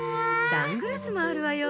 サングラスもあるわよ。